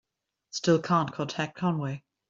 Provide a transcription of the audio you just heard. Still can't contact Conway.